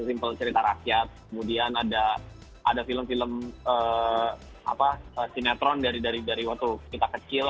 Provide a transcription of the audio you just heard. simple cerita rakyat kemudian ada film film sinetron dari waktu kita kecil